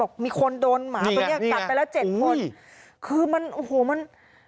มีคนโดนหมาตัวเนี้ยกัดไปแล้วเจ็ดคนคือมันโอ้โหมัน